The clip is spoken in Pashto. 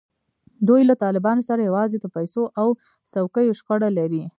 دوی له طالبانو سره یوازې د پیسو او څوکیو شخړه لري.